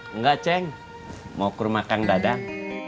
enggak ceng mau ke rumah kang dadang